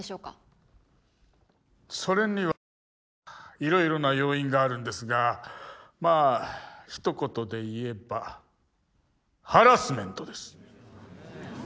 それにはいろいろな要因があるんですがまあひと言で言えばハラスメントです。